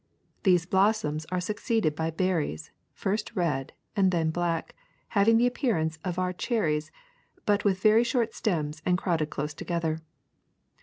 These blossoms are succeeded by berries, first red and then black, having the appearance of our cher ries, but with very short stems and crowded close together.